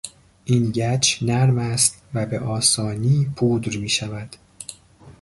این گچ نرم است و به آسانی پودر میشود.